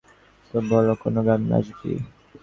তো, বল কোন গানে নাচবি?